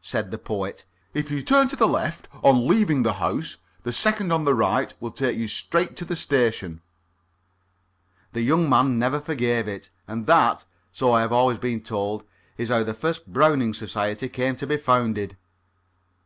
said the Poet. "If you turn to the left on leaving the house, the second on the right will take you straight to the station." The young man never forgave it. And that, so I have always been told, is how the first Browning Society came to be founded.